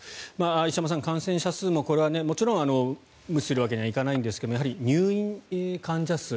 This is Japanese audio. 石山さん、感染者数もこれはもちろん無視するわけにはいかないんですがやはり入院患者数